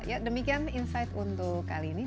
ya demikian insight untuk kali ini